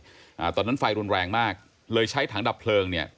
อ่าตอนนั้นไฟรุนแรงมากเลยใช้ถังดับเพลิงเนี้ย